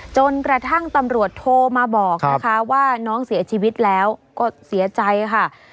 จนกระทั่งตำรวจโทรมาบอกนะคะว่าน้องเสียชีวิตแล้วก็เสียใจค่ะ